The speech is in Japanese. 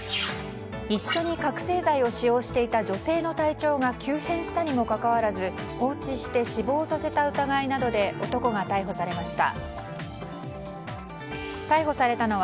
一緒に覚醒剤を使用していた女性の体調が急変したにもかかわらず放置して死亡させた疑いなどで男が逮捕されました。